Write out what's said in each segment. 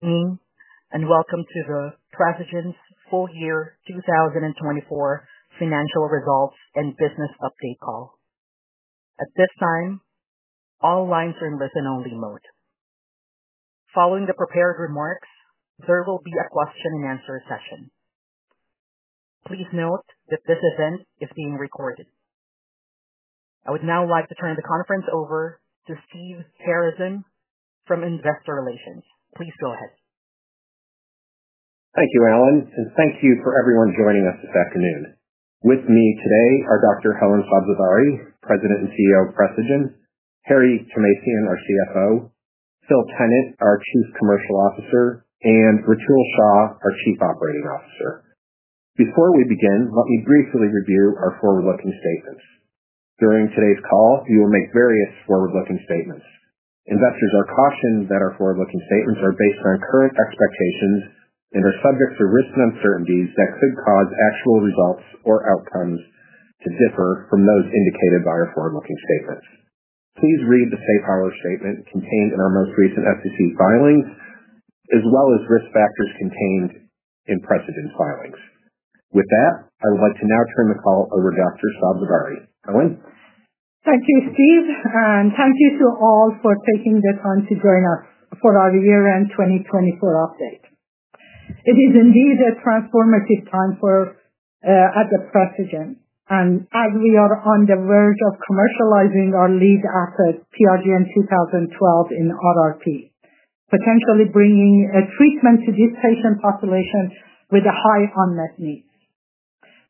Morning, and welcome to Precigen's full-year 2024 financial results and business update call. At this time, all lines are in listen-only mode. Following the prepared remarks, there will be a question-and-answer session. Please note that this event is being recorded. I would now like to turn the conference over to Steve Harasym from Investor Relations. Please go ahead. Thank you, Helen, and thank you for everyone joining us this afternoon. With me today are Dr. Helen Sabzevari, President and CEO of Precigen; Harry Thomasian, our CFO; Phil Tennant, our Chief Commercial Officer; and Rutul Shah, our Chief Operating Officer. Before we begin, let me briefly review our forward-looking statements. During today's call, we will make various forward-looking statements. Investors are cautioned that our forward-looking statements are based on current expectations and are subject to risks and uncertainties that could cause actual results or outcomes to differ from those indicated by our forward-looking statements. Please read the safe harbor statement contained in our most recent SEC filings, as well as risk factors contained in Precigen's filings. With that, I would like to now turn the call over to Dr. Sabzevari. Helen. Thank you, Steve, and thank you to all for taking the time to join us for our year-end 2024 update. It is indeed a transformative time for Precigen, and as we are on the verge of commercializing our lead asset, PRGN-2012, in RRP, potentially bringing a treatment to this patient population with a high unmet need.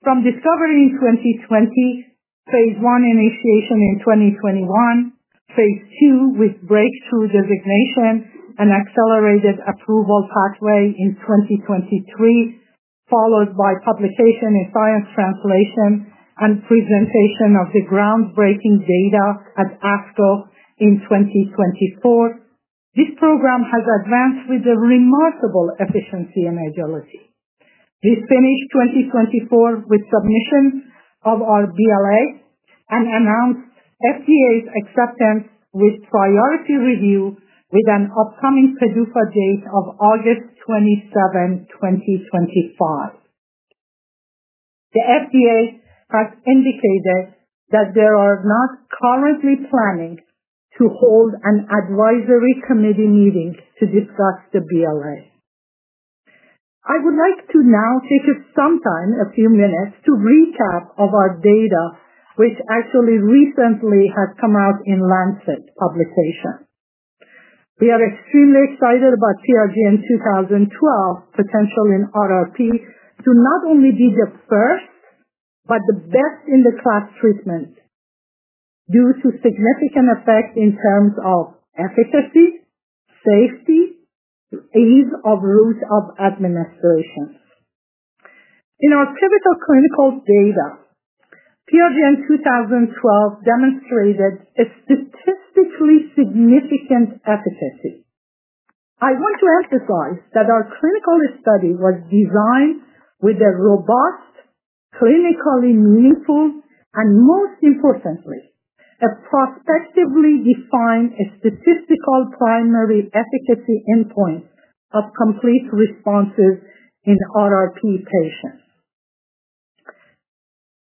From discovery in 2020, phase I initiation in 2021, phase II with breakthrough designation and accelerated approval pathway in 2023, followed by publication in Science Translation and presentation of the groundbreaking data at ASCO in 2024, this program has advanced with remarkable efficiency and agility. We finished 2024 with submission of our BLA and announced FDA's acceptance with priority review with an upcoming PDUFA date of August 27, 2025. The FDA has indicated that they are not currently planning to hold an advisory committee meeting to discuss the BLA. I would like to now take some time, a few minutes, to recap our data, which actually recently has come out in Lancet publication. We are extremely excited about PRGN-2012's potential in RRP to not only be the first but the best in the class treatment due to significant effect in terms of efficacy, safety, ease of route of administration. In our pivotal clinical data, PRGN-2012 demonstrated a statistically significant efficacy. I want to emphasize that our clinical study was designed with a robust, clinically meaningful, and most importantly, a prospectively defined statistical primary efficacy endpoint of complete responses in RRP patients.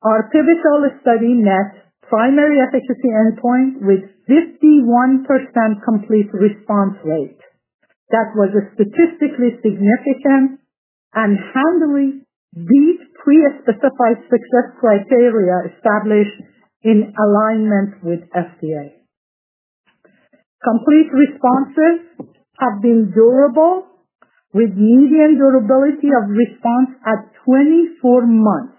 Our pivotal study met primary efficacy endpoint with 51% complete response rate. That was statistically significant and handily beat pre-specified success criteria established in alignment with FDA. Complete responses have been durable, with median durability of response at 24 months,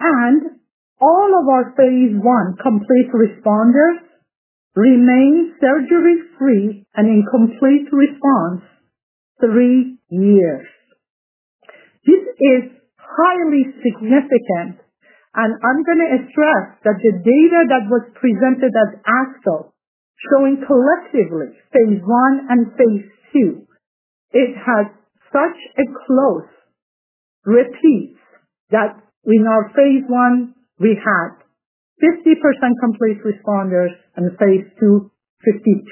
and all of our phase I complete responders remained surgery-free and in complete response three years. This is highly significant, and I'm going to stress that the data that was presented at ASCO, showing collectively phase I and phase II, it has such a close repeat that in our phase I, we had 50% complete responders and phase II, 52%,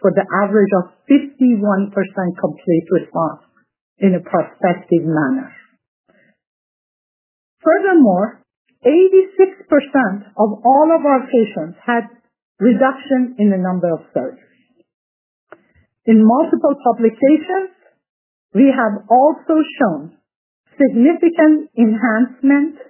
for the average of 51% complete response in a prospective manner. Furthermore, 86% of all of our patients had reduction in the number of surgeries. In multiple publications, we have also shown significant enhancement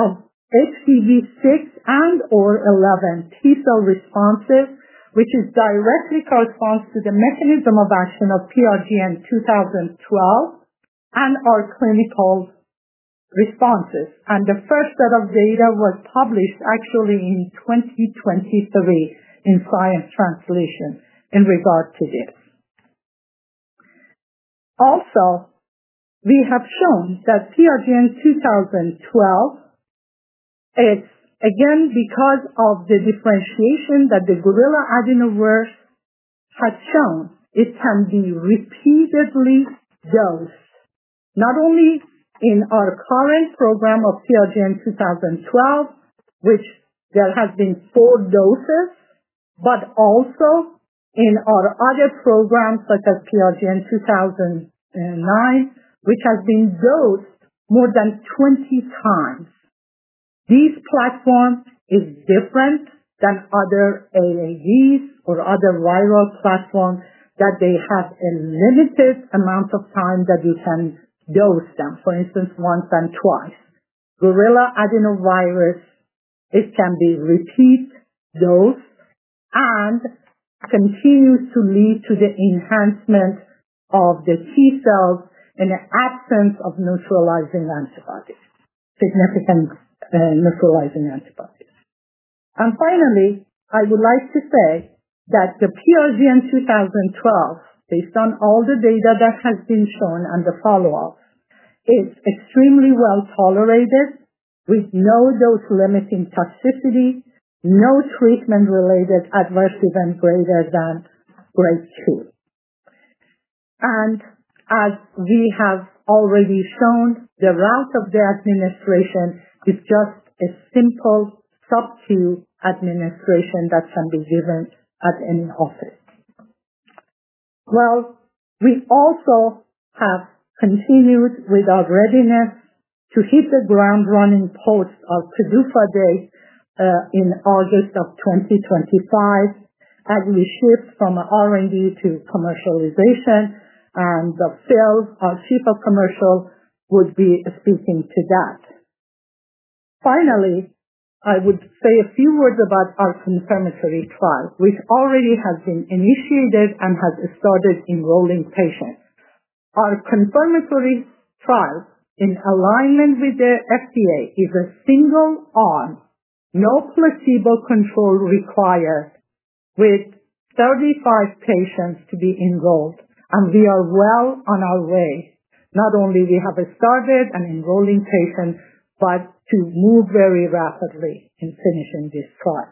of HPV 6 and/or 11 T-cell responses, which directly corresponds to the mechanism of action of PRGN-2012 and our clinical responses. The first set of data was published actually in 2023 in Science Translation in regard to this. Also, we have shown that PRGN-2012, again, because of the differentiation that the gorilla adenovirus has shown, it can be repeatedly dosed, not only in our current program of PRGN-2012, which there have been four doses, but also in our other programs, such as PRGN-2009, which has been dosed more than 20 times. This platform is different than other AAVs or other viral platforms that they have a limited amount of time that you can dose them, for instance, once and twice. Gorilla adenovirus, it can be repeat dosed and continues to lead to the enhancement of the T-cells in the absence of neutralizing antibodies, significant neutralizing antibodies. Finally, I would like to say that the PRGN-2012, based on all the data that has been shown and the follow-up, is extremely well tolerated with no dose-limiting toxicity, no treatment-related adverse event greater than grade 2. As we have already shown, the route of the administration is just a simple sub-Q administration that can be given at any office. We also have continued with our readiness to hit the ground running post PDUFA date in August of 2025, as we shift from R&D to commercialization, and Phil, our Chief of Commercial, would be speaking to that. Finally, I would say a few words about our confirmatory trial, which already has been initiated and has started enrolling patients. Our confirmatory trial, in alignment with the FDA, is a single-arm, no placebo control required, with 35 patients to be enrolled, and we are well on our way. Not only have we started and are enrolling patients, but we are moving very rapidly in finishing this trial.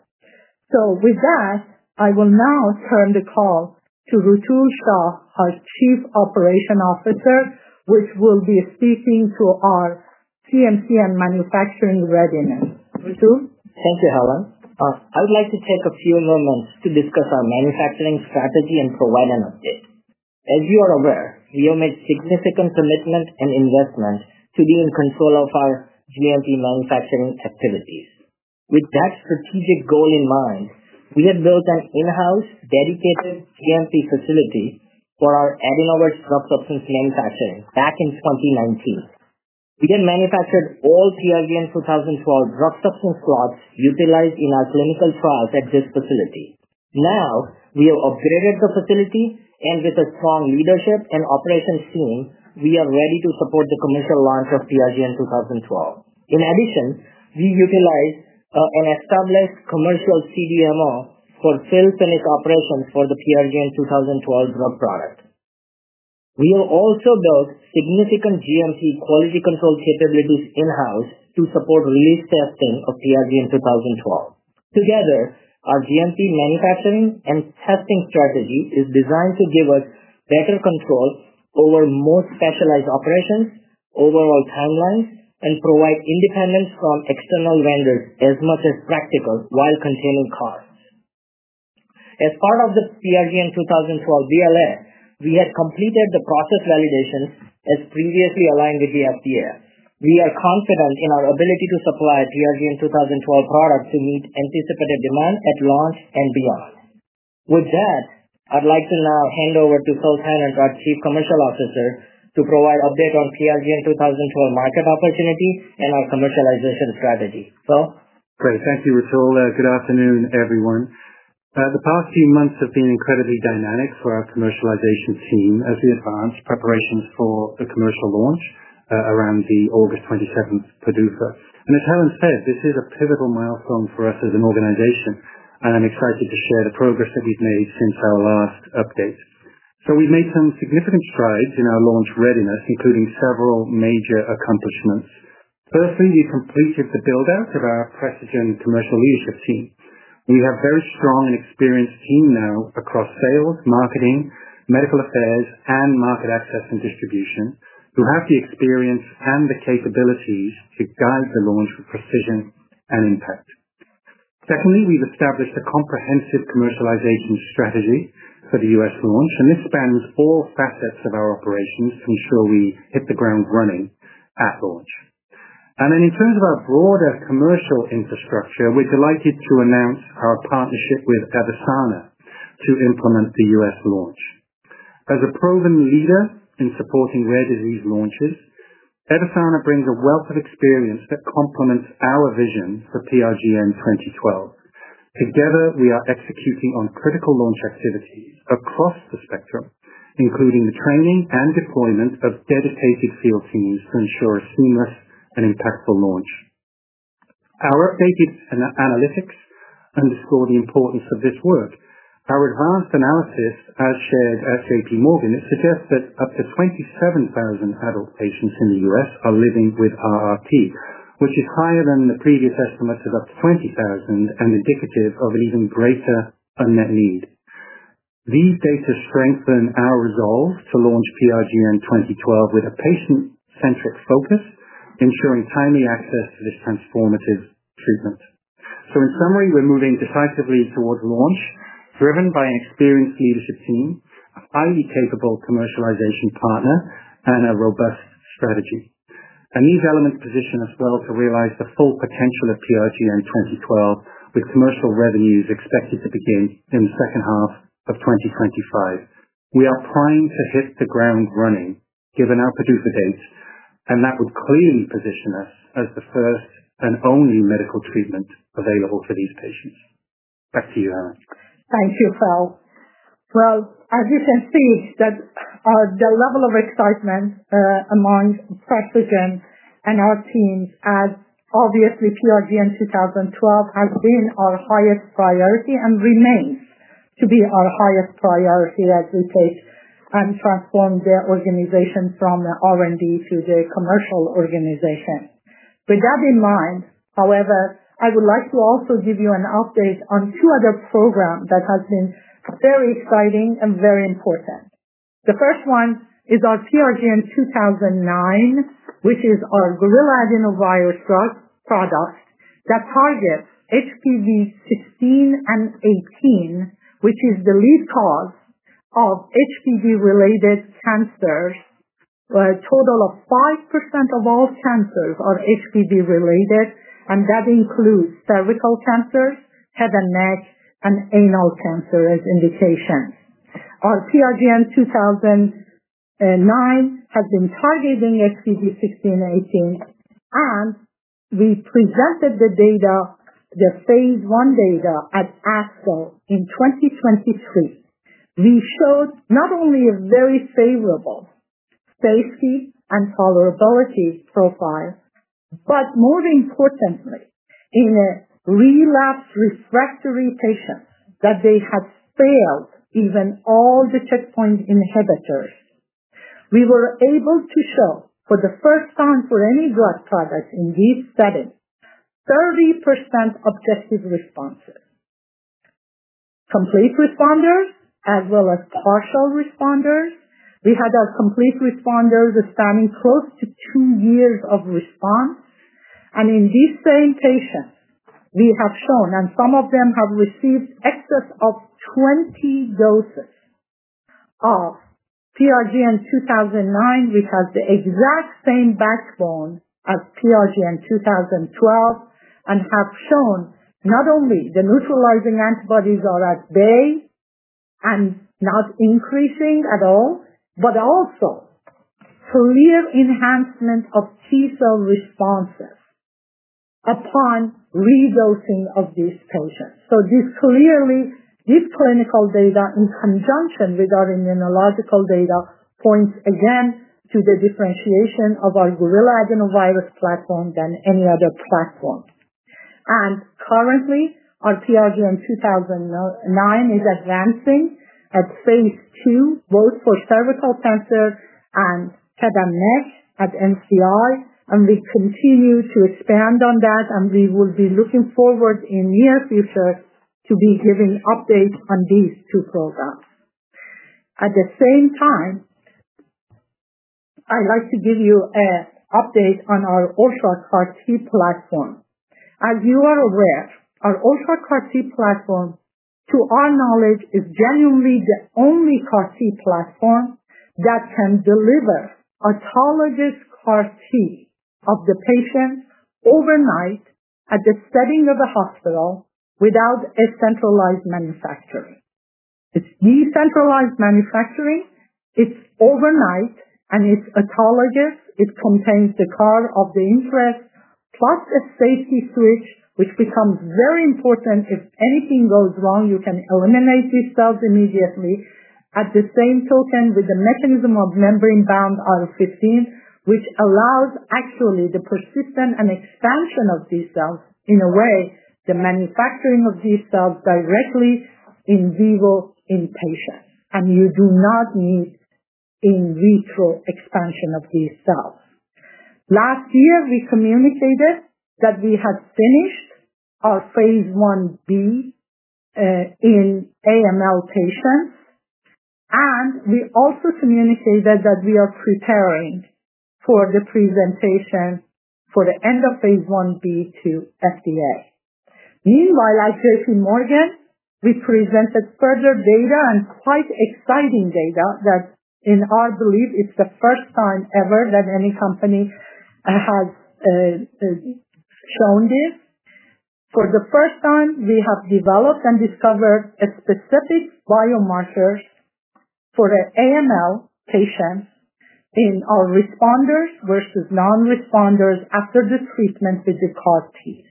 With that, I will now turn the call to Rutul Shah, our Chief Operating Officer, who will be speaking to our GMP and manufacturing readiness. Rutul? Thank you, Helen. I would like to take a few moments to discuss our manufacturing strategy and provide an update. As you are aware, we have made significant commitment and investment to be in control of our GMP manufacturing activities. With that strategic goal in mind, we had built an in-house dedicated GMP facility for our adenovirus drug substance manufacturing back in 2019. We had manufactured all PRGN-2012 drug substance lots utilized in our clinical trials at this facility. Now, we have upgraded the facility, and with a strong leadership and operations team, we are ready to support the commercial launch of PRGN-2012. In addition, we utilize an established commercial CDMO for Phil Tennant's operations for the PRGN-2012 drug product. We have also built significant GMP quality control capabilities in-house to support release testing of PRGN-2012. Together, our GMP manufacturing and testing strategy is designed to give us better control over most specialized operations, overall timelines, and provide independence from external vendors as much as practical while containing costs. As part of the PRGN-2012 BLA, we had completed the process validations as previously aligned with the FDA. We are confident in our ability to supply PRGN-2012 products to meet anticipated demand at launch and beyond. With that, I'd like to now hand over to Phil Tennant, our Chief Commercial Officer, to provide an update on PRGN-2012 market opportunity and our commercialization strategy. Phil? Great. Thank you, Rutul. Good afternoon, everyone. The past few months have been incredibly dynamic for our commercialization team as we advance preparations for the commercial launch around the August 27 PDUFA. As Helen said, this is a pivotal milestone for us as an organization, and I'm excited to share the progress that we've made since our last update. We have made some significant strides in our launch readiness, including several major accomplishments. Firstly, we've completed the build-out of our Precigen commercial leadership team. We have a very strong and experienced team now across sales, marketing, medical affairs, and market access and distribution who have the experience and the capabilities to guide the launch with precision and impact. Secondly, we've established a comprehensive commercialization strategy for the U.S. launch, and this spans all facets of our operations to ensure we hit the ground running at launch. In terms of our broader commercial infrastructure, we're delighted to announce our partnership with EVERSANA to implement the U.S. launch. As a proven leader in supporting rare disease launches, EVERSANA brings a wealth of experience that complements our vision for PRGN-2012. Together, we are executing on critical launch activities across the spectrum, including the training and deployment of dedicated field teams to ensure a seamless and impactful launch. Our updated analytics underscore the importance of this work. Our advanced analysis, as shared at JPMorgan, suggests that up to 27,000 adult patients in the U.S. are living with RRP, which is higher than the previous estimates of up to 20,000 and indicative of an even greater unmet need. These data strengthen our resolve to launch PRGN-2012 with a patient-centric focus, ensuring timely access to this transformative treatment. In summary, we're moving decisively towards launch, driven by an experienced leadership team, a highly capable commercialization partner, and a robust strategy. These elements position us well to realize the full potential of PRGN-2012, with commercial revenues expected to begin in the second half of 2025. We are primed to hit the ground running given our PDUFA dates, and that would clearly position us as the first and only medical treatment available for these patients. Back to you, Helen. Thank you, Phil. As you can see, the level of excitement among Precigen and our teams has, obviously, PRGN-2012 has been our highest priority and remains to be our highest priority as we take and transform the organization from R&D to the commercial organization. With that in mind, however, I would like to also give you an update on two other programs that have been very exciting and very important. The first one is our PRGN-2009, which is our gorilla adenovirus drug product that targets HPV 16 and 18, which is the lead cause of HPV-related cancers. A total of 5% of all cancers are HPV-related, and that includes cervical cancers, head and neck, and anal cancer as indications. Our PRGN-2009 has been targeting HPV 16 and 18, and we presented the data, the Phase I data at ASCO in 2023. We showed not only a very favorable safety and tolerability profile, but more importantly, in a relapse refractory patient that they had failed even all the checkpoint inhibitors. We were able to show, for the first time for any drug product in these settings, 30% objective responses. Complete responders, as well as partial responders. We had our complete responders spanning close to two years of response. In these same patients, we have shown, and some of them have received excess of 20 doses of PRGN-2009, which has the exact same backbone as PRGN-2012, and have shown not only the neutralizing antibodies are at bay and not increasing at all, but also clear enhancement of T-cell responses upon re-dosing of these patients. This clinical data in conjunction with our immunological data points again to the differentiation of our gorilla adenovirus platform than any other platform. Currently, our PRGN-2009 is advancing at phase II, both for cervical cancer and head and neck at NCI, and we continue to expand on that, and we will be looking forward in the near future to be giving updates on these two programs. At the same time, I'd like to give you an update on our UltraCAR-T platform. As you are aware, our UltraCAR-T platform, to our knowledge, is genuinely the only CAR-T platform that can deliver autologous CAR-T of the patient overnight at the setting of the hospital without a centralized manufacturing. It's decentralized manufacturing. It's overnight, and it's autologous. It contains the CAR of the interest, plus a safety switch, which becomes very important if anything goes wrong. You can eliminate these cells immediately at the same token with the mechanism of membrane-bound IL-15, which allows actually the persistence and expansion of these cells in a way, the manufacturing of these cells directly in vivo in patients, and you do not need in vitro expansion of these cells. Last year, we communicated that we had finished our Phase I-B in AML patients, and we also communicated that we are preparing for the presentation for the end of Phase I-B to FDA. Meanwhile, at JPMorgan, we presented further data and quite exciting data that, in our belief, it's the first time ever that any company has shown this. For the first time, we have developed and discovered a specific biomarker for AML patients in our responders versus non-responders after the treatment with the CAR-T.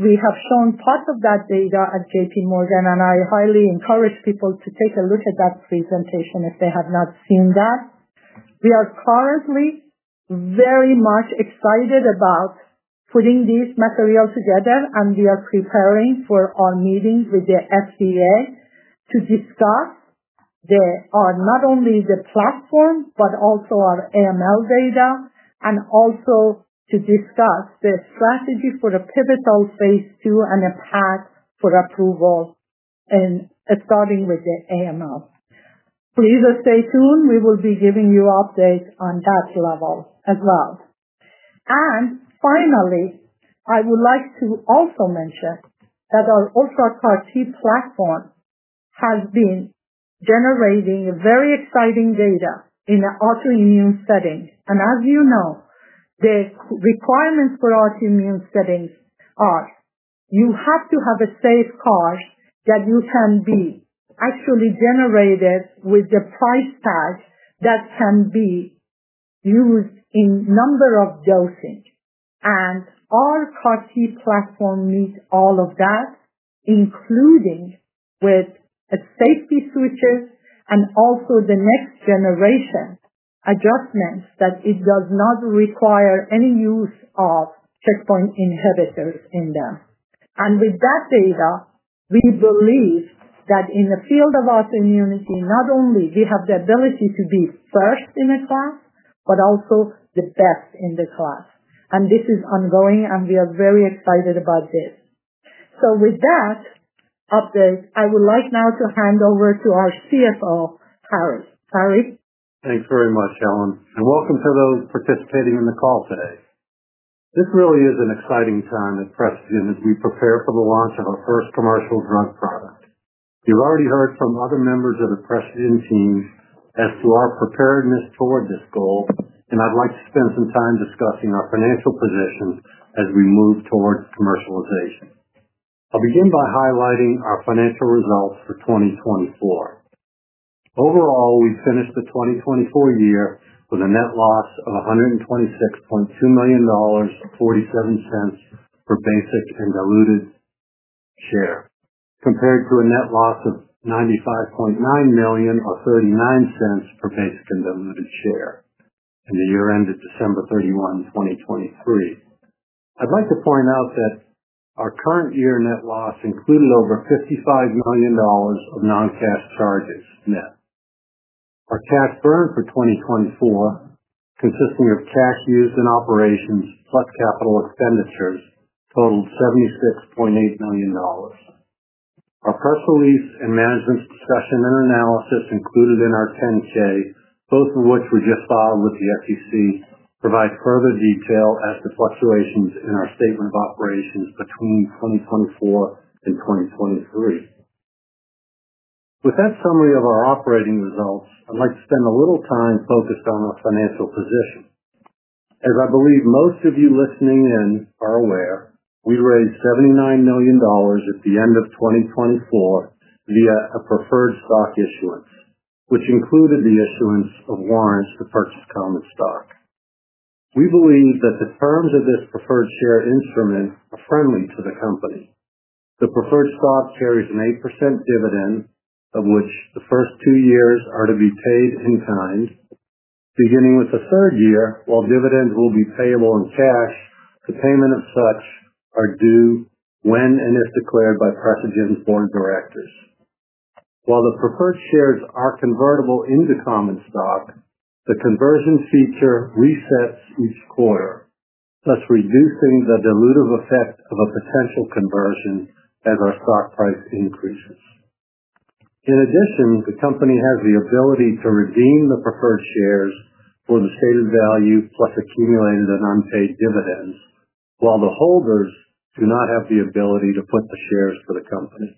We have shown part of that data at JPMorgan, and I highly encourage people to take a look at that presentation if they have not seen that. We are currently very much excited about putting this material together, and we are preparing for our meeting with the FDA to discuss not only the platform, but also our AML data, and also to discuss the strategy for a pivotal phase II and a path for approval, starting with the AML. Please stay tuned. We will be giving you updates on that level as well. Finally, I would like to also mention that our UltraCAR-T platform has been generating very exciting data in an autoimmune setting. As you know, the requirements for autoimmune settings are you have to have a safe CAR that you can actually generate with the price tag that can be used in a number of dosing. Our CAR-T platform meets all of that, including with safety switches and also the next generation adjustments that it does not require any use of checkpoint inhibitors in them. With that data, we believe that in the field of autoimmunity, not only do we have the ability to be first in the class, but also the best in the class. This is ongoing, and we are very excited about this. With that update, I would like now to hand over to our CFO, Harry. Harry? Thanks very much, Helen. Welcome to those participating in the call today. This really is an exciting time at Precigen as we prepare for the launch of our first commercial drug product. You have already heard from other members of the Precigen team as to our preparedness toward this goal, and I would like to spend some time discussing our financial position as we move towards commercialization. I will begin by highlighting our financial results for 2024. Overall, we finished the 2024 year with a net loss of $126.2 million, $0.47 for basic and diluted share, compared to a net loss of $95.9 million, or $0.39 for basic and diluted share, and the year ended December 31, 2023. I would like to point out that our current year net loss included over $55 million of non-cash charges, net. Our cash burn for 2024, consisting of cash used in operations plus capital expenditures, totaled $76.8 million. Our press release and management discussion and analysis included in our 10-K, both of which we just filed with the SEC, provide further detail as to fluctuations in our statement of operations between 2024 and 2023. With that summary of our operating results, I'd like to spend a little time focused on our financial position. As I believe most of you listening in are aware, we raised $79 million at the end of 2024 via a preferred stock issuance, which included the issuance of warrants to purchase common stock. We believe that the terms of this preferred share instrument are friendly to the company. The preferred stock carries an 8% dividend, of which the first two years are to be paid in kind. Beginning with the third year, while dividends will be payable in cash, the payment of such are due when and if declared by Precigen's board of directors. While the preferred shares are convertible into common stock, the conversion feature resets each quarter, thus reducing the dilutive effect of a potential conversion as our stock price increases. In addition, the company has the ability to redeem the preferred shares for the stated value plus accumulated and unpaid dividends, while the holders do not have the ability to put the shares to the company.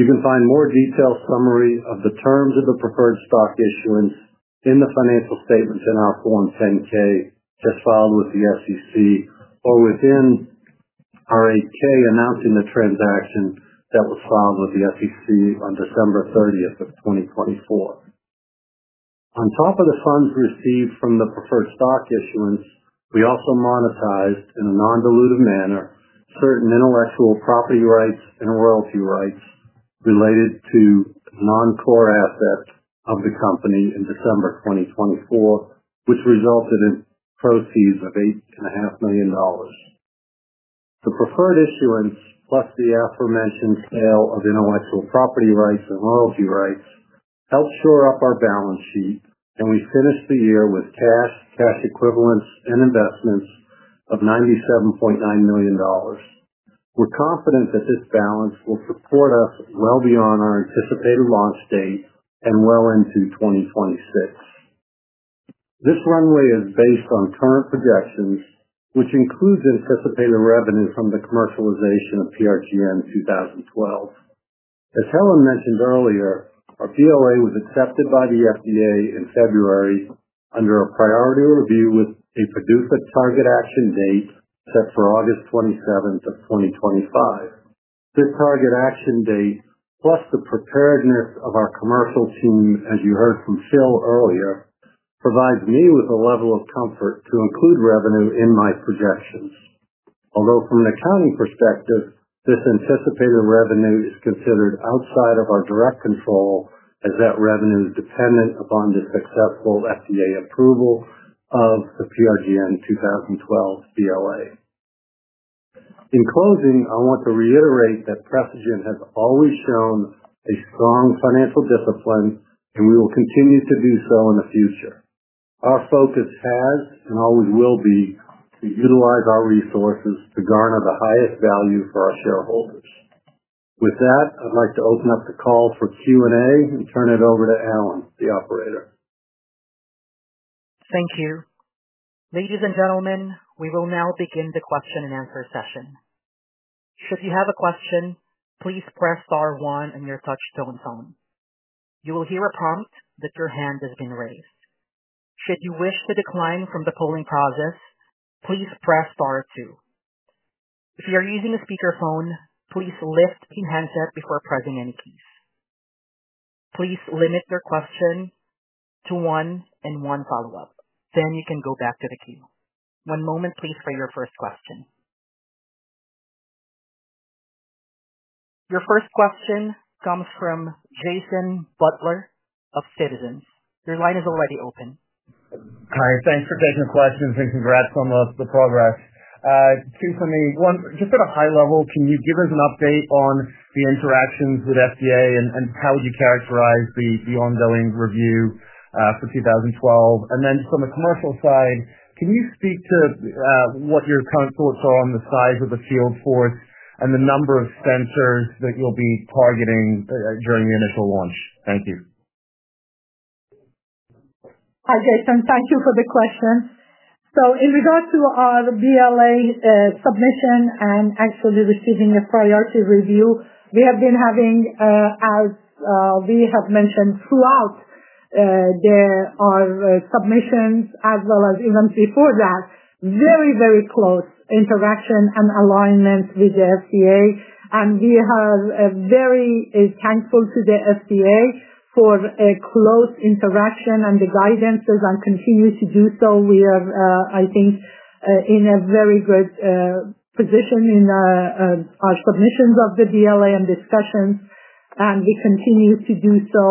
You can find more detailed summary of the terms of the preferred stock issuance in the financial statements in our Form 10-K, just filed with the SEC, or within our 8-K announcing the transaction that was filed with the SEC on December 30th of 2024. On top of the funds received from the preferred stock issuance, we also monetized, in a non-dilutive manner, certain intellectual property rights and royalty rights related to non-core assets of the company in December 2024, which resulted in proceeds of $8.5 million. The preferred issuance, plus the aforementioned sale of intellectual property rights and royalty rights, helped shore up our balance sheet, and we finished the year with cash, cash equivalents, and investments of $97.9 million. We're confident that this balance will support us well beyond our anticipated launch date and well into 2026. This runway is based on current projections, which includes anticipated revenue from the commercialization of PRGN-2012. As Helen mentioned earlier, our BLA was accepted by the FDA in February under a priority review with a PDUFA target action date set for August 27th of 2025. This target action date, plus the preparedness of our commercial team, as you heard from Phil earlier, provides me with a level of comfort to include revenue in my projections. Although from an accounting perspective, this anticipated revenue is considered outside of our direct control as that revenue is dependent upon the successful FDA approval of the PRGN-2012 BLA. In closing, I want to reiterate that Precigen has always shown a strong financial discipline, and we will continue to do so in the future. Our focus has and always will be to utilize our resources to garner the highest value for our shareholders. With that, I'd like to open up the call for Q&A and turn it over to Helen, the operator. Thank you. Ladies and gentlemen, we will now begin the question and answer session. Should you have a question, please press star one on your touchtone phone. You will hear a prompt that your hand has been raised. Should you wish to decline from the polling process, please press star two. If you are using a speakerphone, please lift the handset before pressing any keys. Please limit your question to one and one follow-up. Then you can go back to the queue. One moment, please, for your first question. Your first question comes from Jason Butler of Citizens. Your line is already open. Hi, thanks for taking the questions and congrats on the progress. Two for me. One, just at a high level, can you give us an update on the interactions with FDA and how would you characterize the ongoing review for 2012? From a commercial side, can you speak to what your current thoughts are on the size of the field force and the number of sensors that you'll be targeting during the initial launch? Thank you. Hi, Jason. Thank you for the question. In regards to our BLA submission and actually receiving a priority review, we have been having, as we have mentioned throughout our submissions as well as even before that, very, very close interaction and alignment with the FDA. We are very thankful to the FDA for a close interaction and the guidance as I continue to do so. I think we are in a very good position in our submissions of the BLA and discussions, and we continue to do so,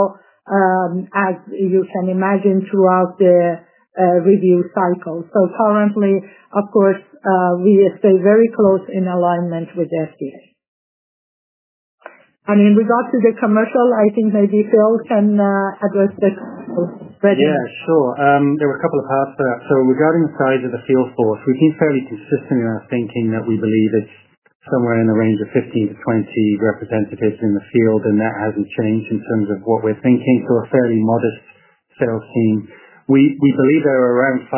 as you can imagine, throughout the review cycle. Currently, of course, we stay very close in alignment with the FDA. In regards to the commercial, I think maybe Phil can address this already. Yeah, sure. There were a couple of parts to that. Regarding the size of the field force, we've been fairly consistent in our thinking that we believe it's somewhere in the range of 15-20 representatives in the field, and that hasn't changed in terms of what we're thinking. A fairly modest sales team. We believe there are around 500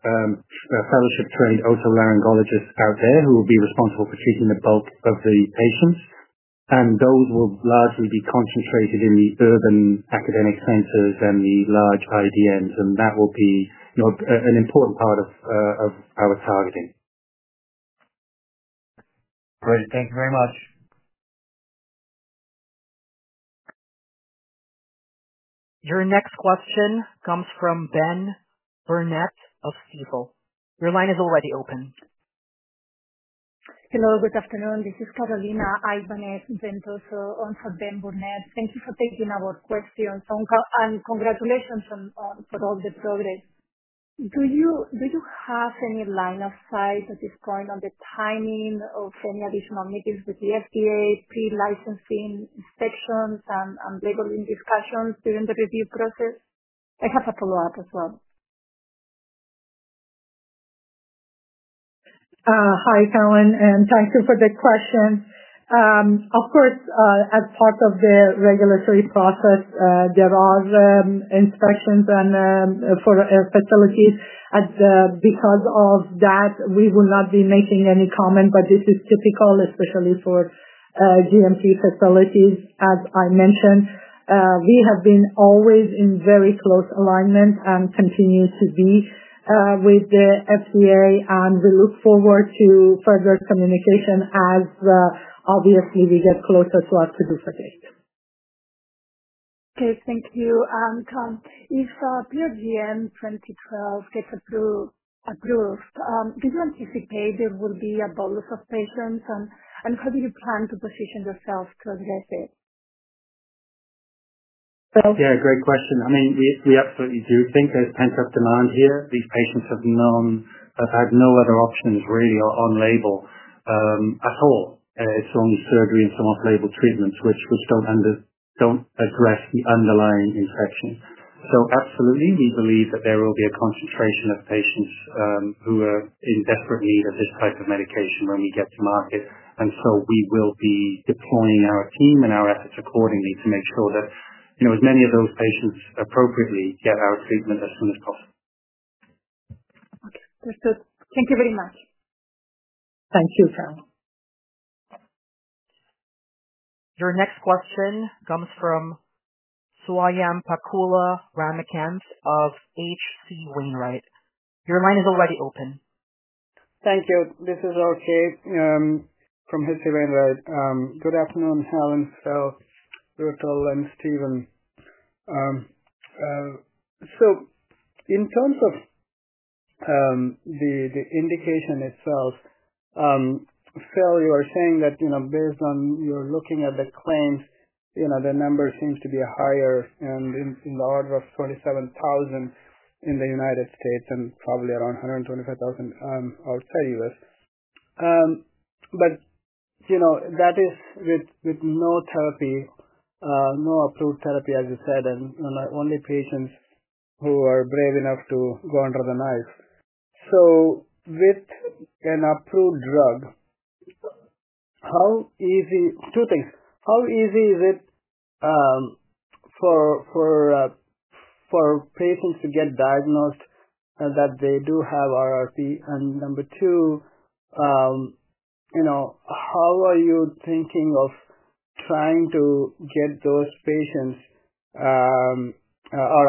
fellowship-trained otolaryngologists out there who will be responsible for treating the bulk of the patients, and those will largely be concentrated in the urban academic centers and the large IDNs, and that will be an important part of our targeting. Great. Thank you very much. Your next question comes from Ben Burnett of Stifel. Your line is already open. Hello. Good afternoon. This is Carolina Ibanez-Ventoso, on for Ben Burnett. Thank you for taking our questions, and congratulations for all the progress. Do you have any line of sight at this point on the timing of any additional meetings with the FDA, pre-licensing inspections, and labeling discussions during the review process? I have a follow-up as well. Hi, Carolin, and thank you for the question. Of course, as part of the regulatory process, there are inspections for facilities. Because of that, we will not be making any comment, but this is typical, especially for GMP facilities, as I mentioned. We have been always in very close alignment and continue to be with the FDA, and we look forward to further communication as, obviously, we get closer to our PDUFA date. Okay. Thank you. If PRGN-2012 gets approved, do you anticipate there will be a bolus of patients, and how do you plan to position yourselves to address it? Yeah, great question. I mean, we absolutely do think there's pent-up demand here. These patients have had no other options, really, on label at all. It's only surgery and some off-label treatments which don't address the underlying infection. Absolutely, we believe that there will be a concentration of patients who are in desperate need of this type of medication when we get to market. We will be deploying our team and our efforts accordingly to make sure that as many of those patients appropriately get our treatment as soon as possible. Okay. Thank you very much. Thank you, Carolin. Your next question comes from Swayampakula Ramakanth of H.C. Wainwright. Your line is already open. Thank you. This is RK from H.C. Wainwright. Good afternoon, Helen, Phil, Rutul, and Steven. In terms of the indication itself, Phil, you are saying that based on your looking at the claims, the number seems to be higher and in the order of 27,000 in the United States and probably around 125,000 outside the U.S. That is with no therapy, no approved therapy, as you said, and only patients who are brave enough to go under the knife. With an approved drug, two things. How easy is it for patients to get diagnosed that they do have RRP? Number two, how are you thinking of trying to get those patients or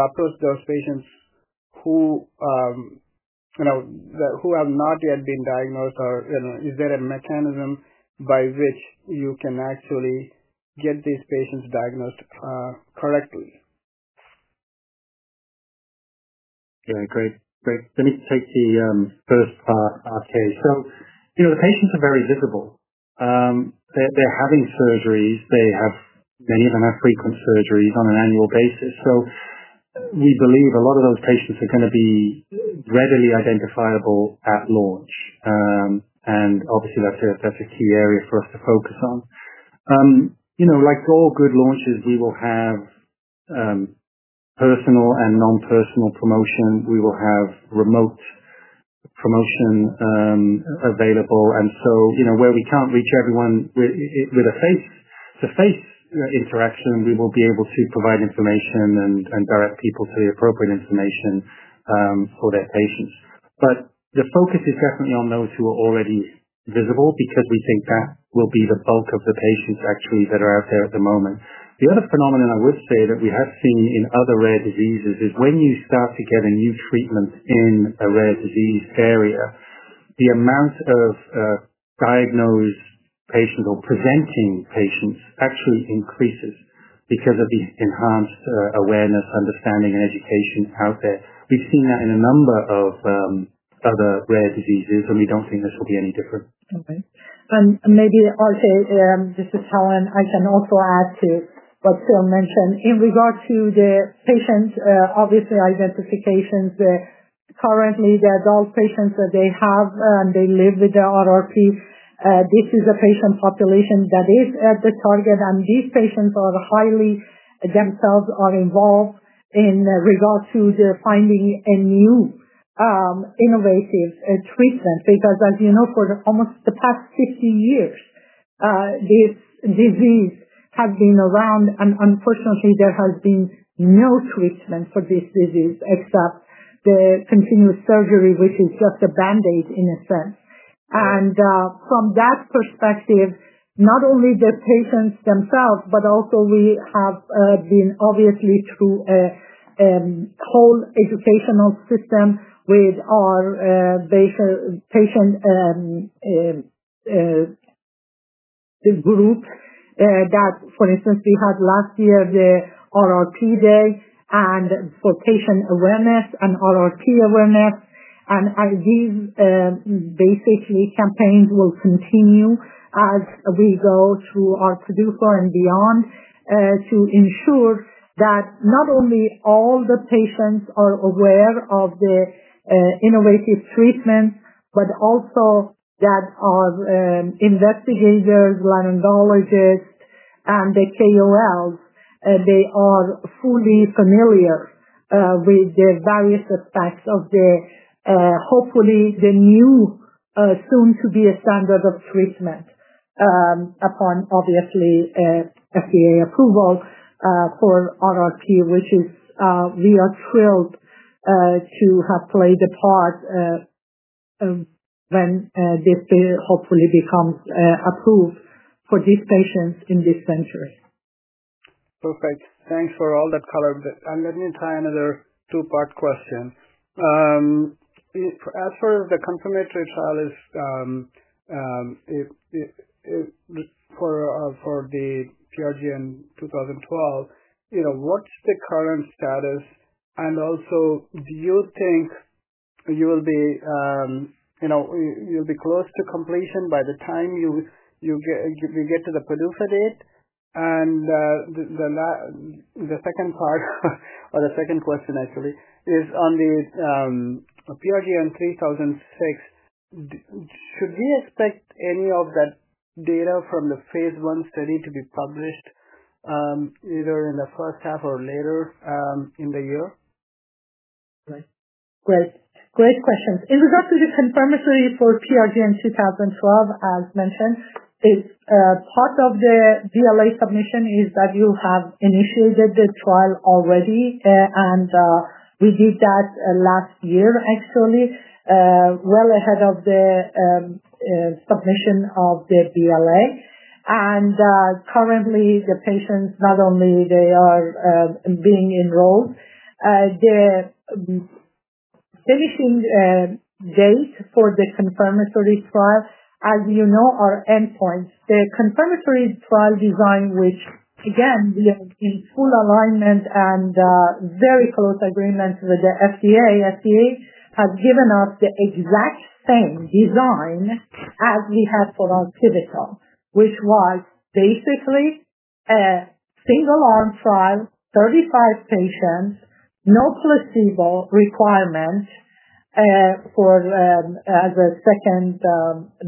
approach those patients who have not yet been diagnosed? Is there a mechanism by which you can actually get these patients diagnosed correctly? Yeah. Great. Great. Let me take the first part. Okay. The patients are very visible. They're having surgeries. Many of them have frequent surgeries on an annual basis. We believe a lot of those patients are going to be readily identifiable at launch. Obviously, that's a key area for us to focus on. Like all good launches, we will have personal and non-personal promotion. We will have remote promotion available. Where we can't reach everyone with a face-to-face interaction, we will be able to provide information and direct people to the appropriate information for their patients. The focus is definitely on those who are already visible because we think that will be the bulk of the patients actually that are out there at the moment. The other phenomenon I would say that we have seen in other rare diseases is when you start to get a new treatment in a rare disease area, the amount of diagnosed patients or presenting patients actually increases because of the enhanced awareness, understanding, and education out there. We've seen that in a number of other rare diseases, and we don't think this will be any different. Okay. Maybe RK, this is Helen. I can also add to what Phil mentioned. In regard to the patients, obviously, identifications, currently, the adult patients that they have and they live with the RRP, this is a patient population that is at the target. These patients are highly themselves involved in regard to finding a new innovative treatment because, as you know, for almost the past 50 years, this disease has been around, and unfortunately, there has been no treatment for this disease except the continuous surgery, which is just a Band-Aid in a sense. From that perspective, not only the patients themselves, but also we have been obviously through a whole educational system with our patient group that, for instance, we had last year the RRP Day and for patient awareness and RRP awareness. These basically campaigns will continue as we go through our PDUFA and beyond to ensure that not only all the patients are aware of the innovative treatments, but also that our investigators, laryngologists, and the KOLs, they are fully familiar with the various aspects of hopefully the new soon-to-be a standard of treatment upon, obviously, FDA approval for RRP, which is we are thrilled to have played a part when this hopefully becomes approved for these patients in this century. Perfect. Thanks for all that colored in. Let me try another two-part question. As for the confirmatory trial for the PRGN-2012, what's the current status? Do you think you will be close to completion by the time you get to the PDUFA date? The second part, or the second question actually, is on the PRGN-3006, should we expect any of that data from the Phase I study to be published either in the first half or later in the year? Great. Great. Great questions. In regards to the confirmatory for PRGN-2012, as mentioned, part of the BLA submission is that you have initiated the trial already, and we did that last year, actually, well ahead of the submission of the BLA. Currently, the patients, not only they are being enrolled, the finishing date for the confirmatory trial, as you know, are endpoints. The confirmatory trial design, which, again, we are in full alignment and very close agreement with the FDA, FDA has given us the exact same design as we had for our PDUFA, which was basically a single-arm trial, 35 patients, no placebo requirement as a second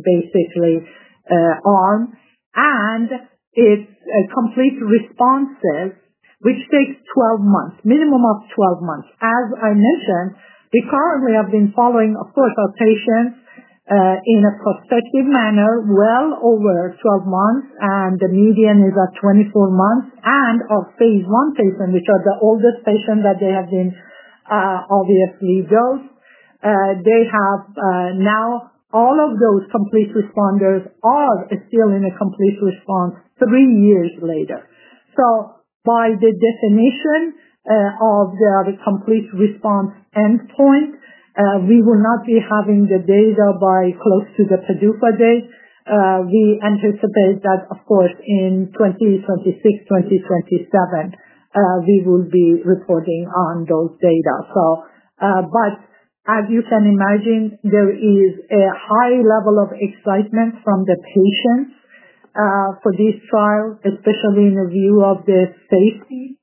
basically arm, and it's complete responses, which takes 12 months, minimum of 12 months. As I mentioned, we currently have been following, of course, our patients in a prospective manner well over 12 months, and the median is at 24 months. Our Phase I patients, which are the oldest patients that have been obviously dosed, they have now all of those complete responders are still in a complete response three years later. By the definition of the complete response endpoint, we will not be having the data by close to the PDUFA date. We anticipate that, of course, in 2026, 2027, we will be reporting on those data. As you can imagine, there is a high level of excitement from the patients for this trial, especially in view of the safety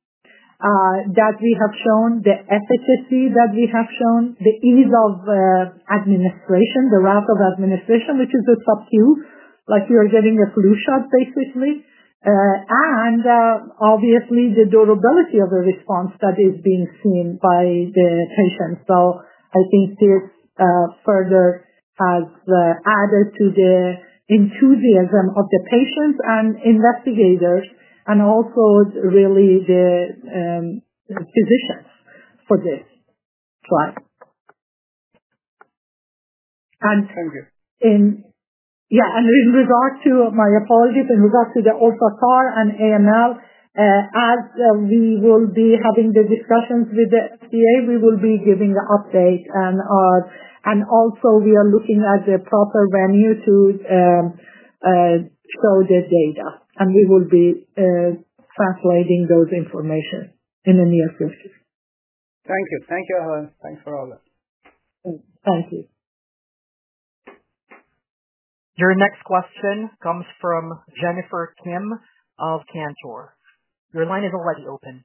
that we have shown, the efficacy that we have shown, the ease of administration, the route of administration, which is a sub-Q, like you are getting a flu shot basically. Obviously, the durability of the response that is being seen by the patients. I think this further has added to the enthusiasm of the patients and investigators and also really the physicians for this trial. Thank you. Yeah. In regard to, my apologies, in regard to the UltraCAR and AML, as we will be having the discussions with the FDA, we will be giving the update. Also, we are looking at the proper venue to show the data, and we will be translating those information in the near future. Thank you. Thank you, Helen. Thanks for all that. Thank you. Your next question comes from Jennifer Kim of Cantor. Your line is already open.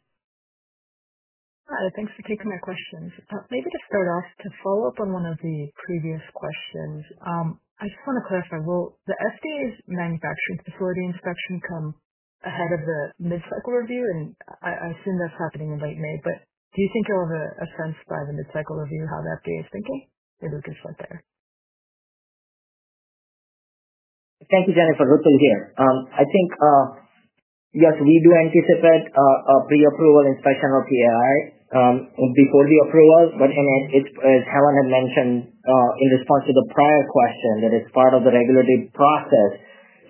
Hi. Thanks for taking my questions. Maybe to start off, to follow up on one of the previous questions, I just want to clarify. Will the FDA's manufacturing facility inspection come ahead of the mid-cycle review? I assume that's happening in late May. Do you think you'll have a sense by the mid-cycle review how the FDA is thinking? Maybe we can start there. Thank you, Jennifer. Rutul here. I think, yes, we do anticipate a pre-approval inspection of the AI before the approval. As Helen had mentioned in response to the prior question, that it's part of the regulatory process.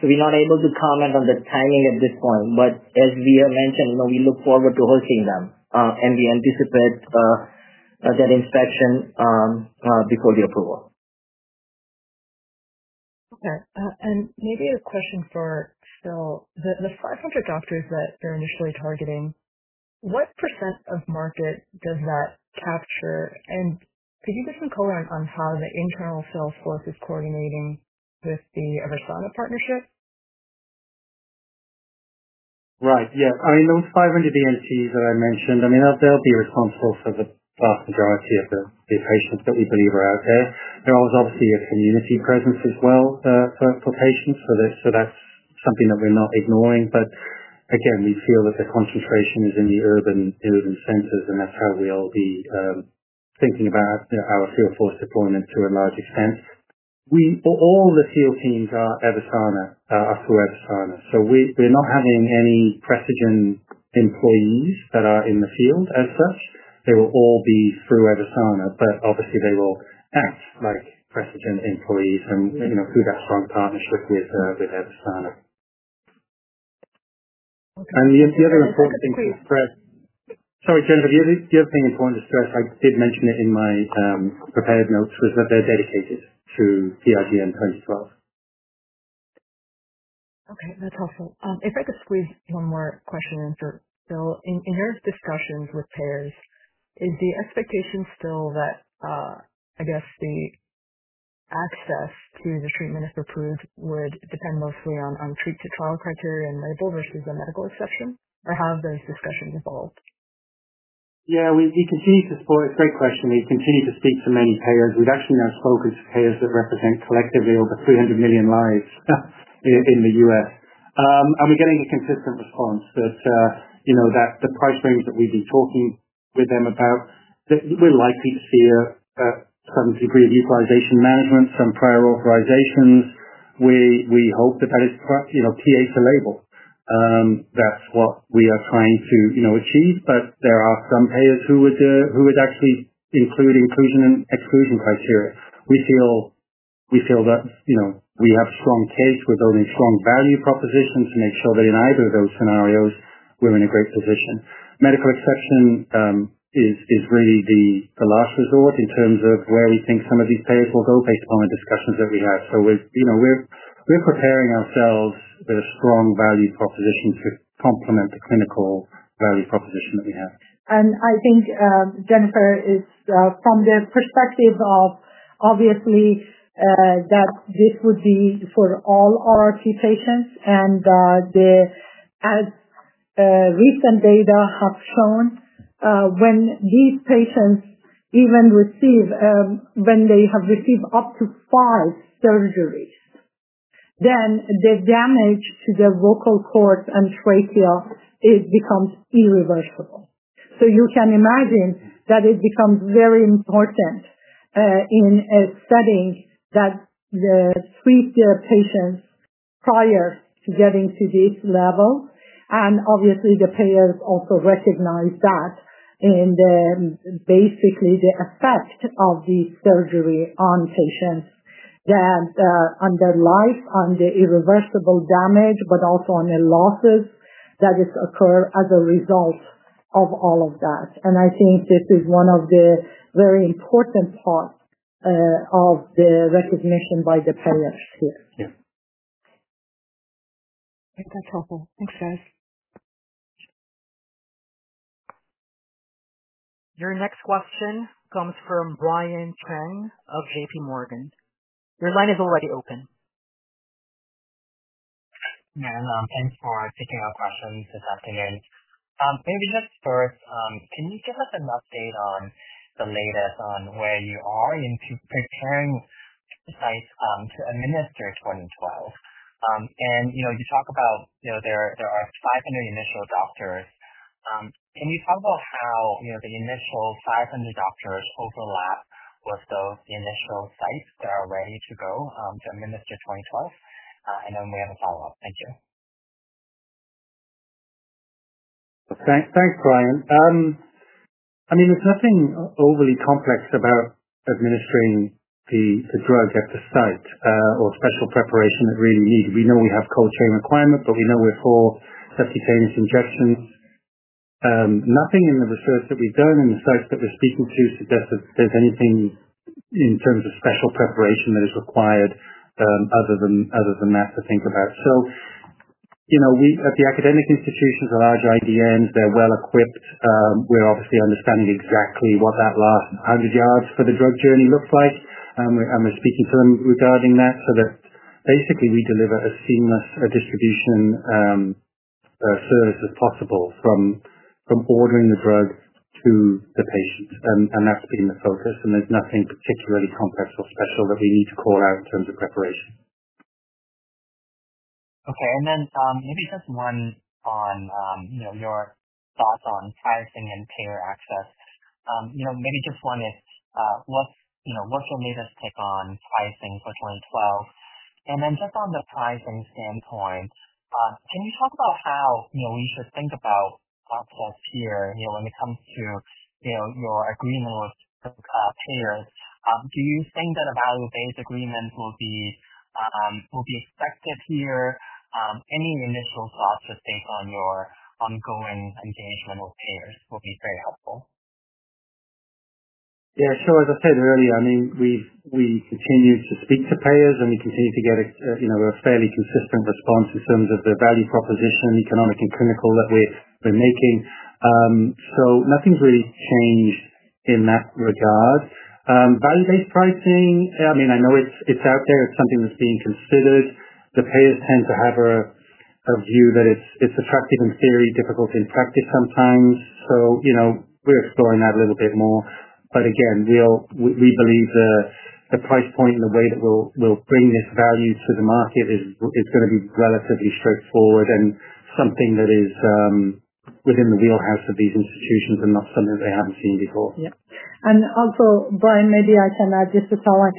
We are not able to comment on the timing at this point. As we have mentioned, we look forward to hosting them, and we anticipate that inspection before the approval. Okay. Maybe a question for Phil. The 500 doctors that you're initially targeting, what % of market does that capture? Could you give some color on how the internal sales force is coordinating with the EVERSANA partnership? Right. Yeah. I mean, those 500 ENTs that I mentioned, I mean, they'll be responsible for the vast majority of the patients that we believe are out there. There is obviously a community presence as well for patients. That is something that we're not ignoring. Again, we feel that the concentration is in the urban centers, and that's how we'll be thinking about our field force deployment to a large extent. All the field teams are through EVERSANA. We're not having any Precigen employees that are in the field as such. They will all be through EVERSANA, but obviously, they will act like Precigen employees through that strong partnership with EVERSANA. The other important thing to stress—sorry, Jennifer. The other thing important to stress, I did mention it in my prepared notes, was that they're dedicated to PRGN-2012. Okay. That's helpful. If I could squeeze one more question in for Phil. In your discussions with payers, is the expectation still that, I guess, the access to the treatment, if approved, would depend mostly on treat-to-trial criteria and label versus a medical exception? Or how have those discussions evolved? Yeah. We continue to—it's a great question. We continue to speak to many payers. We've actually now spoken to payers that represent collectively over 300 million lives in the U.S. We're getting a consistent response that the price range that we've been talking with them about, we're likely to see some degree of utilization management, some prior authorizations. We hope that that is PA for label. That's what we are trying to achieve. There are some payers who would actually include inclusion and exclusion criteria. We feel that we have a strong case. We're building strong value propositions to make sure that in either of those scenarios, we're in a great position. Medical exception is really the last resort in terms of where we think some of these payers will go based upon the discussions that we have. We're preparing ourselves with a strong value proposition to complement the clinical value proposition that we have. I think, Jennifer, it's from the perspective of, obviously, that this would be for all RRP patients. The recent data have shown when these patients even receive—when they have received up to five surgeries, the damage to the vocal cords and trachea becomes irreversible. You can imagine that it becomes very important in a setting that treats the patients prior to getting to this level. Obviously, the payers also recognize that in basically the effect of the surgery on patients, that on their life, on the irreversible damage, but also on the losses that occur as a result of all of that. I think this is one of the very important parts of the recognition by the payers here. Yeah. That's helpful. Thanks, guys. Your next question comes from Brian Cheng of JPMorgan. Your line is already open. Hi, Helen. Thanks for taking our questions this afternoon. Maybe just first, can you give us an update on the latest on where you are in preparing sites to administer 2012? You talk about there are 500 initial doctors. Can you talk about how the initial 500 doctors overlap with those initial sites that are ready to go to administer 2012? We have a follow-up. Thank you. Thanks, Brian. I mean, there's nothing overly complex about administering the drug at the site or special preparation that really needs. We know we have cold chain requirement, but we know we're for subcutaneous injections. Nothing in the research that we've done in the sites that we're speaking to suggests that there's anything in terms of special preparation that is required other than that to think about. At the academic institutions, the large IDNs, they're well equipped. We're obviously understanding exactly what that last 100 yards for the drug journey looks like. We're speaking to them regarding that so that basically we deliver a seamless distribution service as possible from ordering the drug to the patient. That's been the focus. There's nothing particularly complex or special that we need to call out in terms of preparation. Okay. Maybe just one on your thoughts on pricing and payer access. Maybe just one is, what's your latest take on pricing for 2012? On the pricing standpoint, can you talk about how we should think about access here when it comes to your agreement with payers? Do you think that a value-based agreement will be expected here? Any initial thoughts just based on your ongoing engagement with payers will be very helpful. Yeah. Sure. As I said earlier, I mean, we continue to speak to payers, and we continue to get a fairly consistent response in terms of the value proposition, economic, and clinical that we're making. Nothing's really changed in that regard. Value-based pricing, I mean, I know it's out there. It's something that's being considered. The payers tend to have a view that it's attractive in theory, difficult in practice sometimes. We're exploring that a little bit more. Again, we believe the price point and the way that we'll bring this value to the market is going to be relatively straightforward and something that is within the wheelhouse of these institutions and not something that they haven't seen before. Yeah. Also, Brian, maybe I can add just a thought.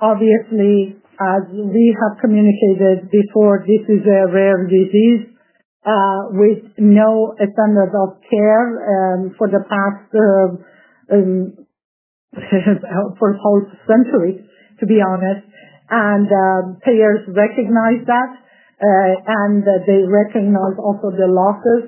Obviously, as we have communicated before, this is a rare disease with no standard of care for the past, for the whole century, to be honest. Payers recognize that, and they recognize also the losses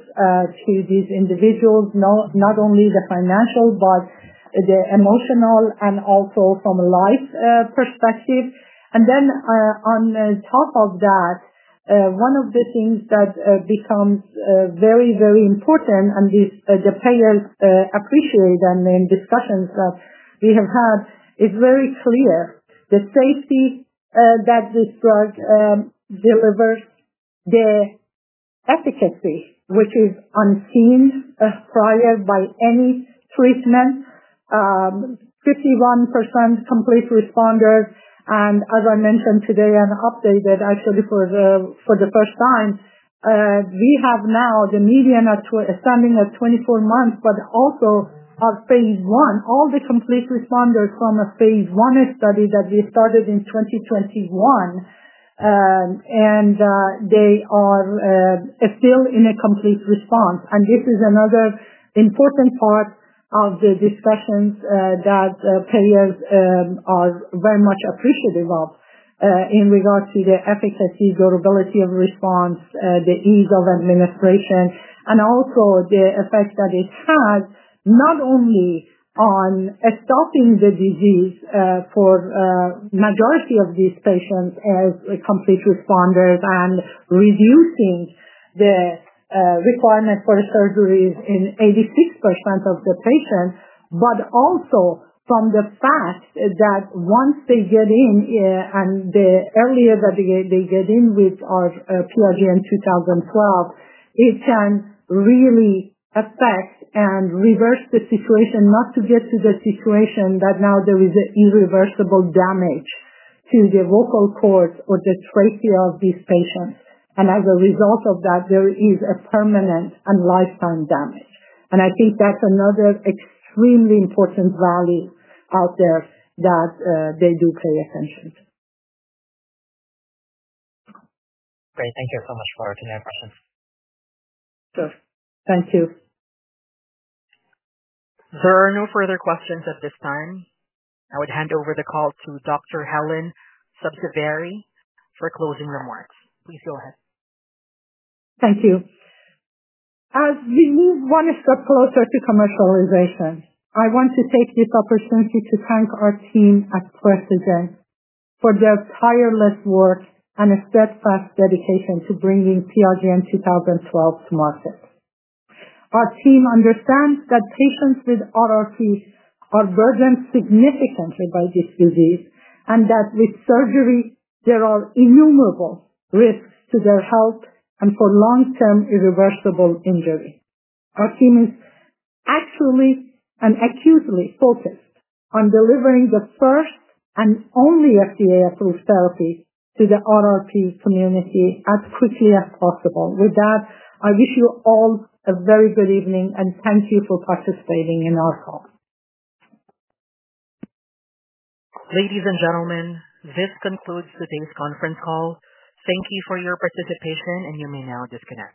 to these individuals, not only the financial but the emotional and also from a life perspective. On top of that, one of the things that becomes very, very important, and the payers appreciate in discussions that we have had, is very clear: the safety that this drug delivers, the efficacy, which is unseen prior by any treatment, 51% complete responders. As I mentioned today and updated actually for the first time, we have now the median standing at 24 months, but also our Phase I, all the complete responders from a phase I study that we started in 2021. They are still in a complete response. This is another important part of the discussions that payers are very much appreciative of in regards to the efficacy, durability of response, the ease of administration, and also the effect that it has not only on stopping the disease for the majority of these patients as complete responders and reducing the requirement for surgeries in 86% of the patients, but also from the fact that once they get in, and the earlier that they get in with our PRGN-2012, it can really affect and reverse the situation, not to get to the situation that now there is irreversible damage to the vocal cords or the trachea of these patients. As a result of that, there is a permanent and lifetime damage. I think that's another extremely important value out there that they do pay attention to. Great. Thank you so much for answering the questions. Sure. Thank you. There are no further questions at this time. I would hand over the call to Dr. Helen Sabzevari for closing remarks. Please go ahead. Thank you. As we move one step closer to commercialization, I want to take this opportunity to thank our team at Precigen for their tireless work and steadfast dedication to bringing PRGN-2012 to market. Our team understands that patients with RRP are burdened significantly by this disease and that with surgery, there are innumerable risks to their health and for long-term irreversible injury. Our team is actually and acutely focused on delivering the first and only FDA-approved therapy to the RRP community as quickly as possible. With that, I wish you all a very good evening, and thank you for participating in our call. Ladies and gentlemen, this concludes today's conference call. Thank you for your participation, and you may now disconnect.